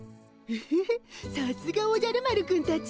エヘヘさすがおじゃる丸くんたち。